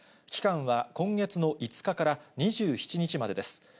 期間は今月の５日から２７日までです。